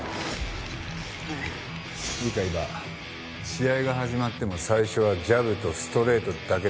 試合が始まっても最初はジャブとストレートだけでいい。